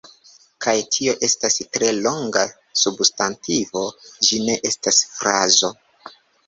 Kaj tio estas tre longa substantivo, ĝi ne estas frazo: